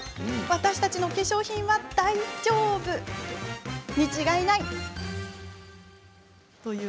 私たちの化粧品は大丈夫に違いないと信じたい。